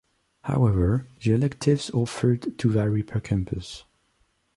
However, the electives offered do vary per campus.